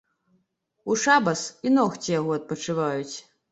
У шабас і ногці яго адпачываюць.